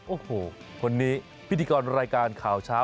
โอ้โหคนนี้พิธีกรรายการข่าวเช้า